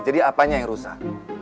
jadi apanya yang rusak